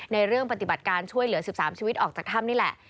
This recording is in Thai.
ในเรื่องปฏิบัติการช่วยเหลือ๑๓ชีวิตออกจากถ้ำนี่แหละ